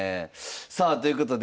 さあということで早速。